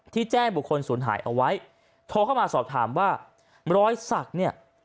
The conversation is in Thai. แจ้งบุคคลศูนย์หายเอาไว้โทรเข้ามาสอบถามว่ารอยสักเนี่ย